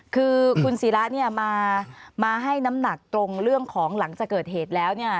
คือคุณศิระเนี่ยมาให้น้ำหนักตรงเรื่องของหลังจากเกิดเหตุแล้วเนี่ย